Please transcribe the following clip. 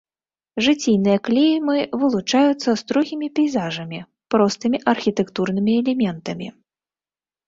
Жыційныя клеймы вылучаюцца строгімі пейзажамі, простымі архітэктурнымі элементамі.